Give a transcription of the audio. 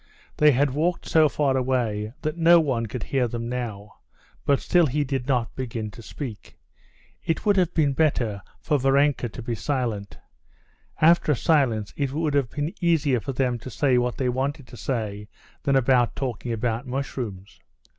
They had walked so far away that no one could hear them now, but still he did not begin to speak. It would have been better for Varenka to be silent. After a silence it would have been easier for them to say what they wanted to say than after talking about mushrooms.